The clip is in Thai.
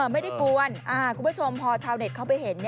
ไม่ได้กวนคุณผู้ชมพอชาวเน็ตเขาไปเห็น